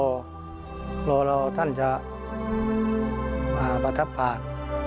รอเรากับท่านจะมาประทับผ่าน